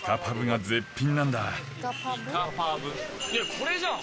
これじゃん！